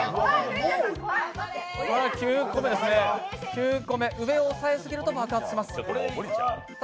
９個目、上を押さえすぎると爆発します。